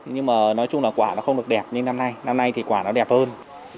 nhưng mà nói chung là quả nó không được đẹp nhưng năm nay năm nay thì quả nó đẹp hơn